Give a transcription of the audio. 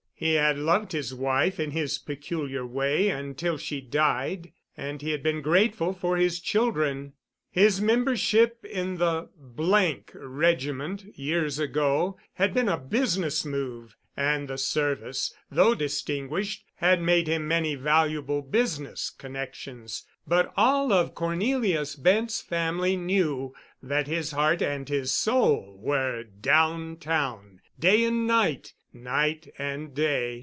He had loved his wife in his peculiar way until she died, and he had been grateful for his children. His membership in the —— Regiment, years ago, had been a business move, and the service, though distinguished, had made him many valuable business connections, but all of Cornelius Bent's family knew that his heart and his soul were downtown, day and night, night and day.